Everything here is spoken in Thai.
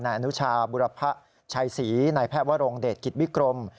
อนุชาบุรพะชัยศรีนายแพทย์วรงเดชกิจวิกรม